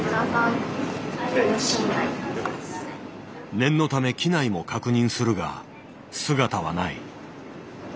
念のため機内も確認するが姿はない。